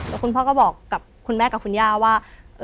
แล้วคุณพ่อก็บอกกับคุณแม่กับคุณย่าว่า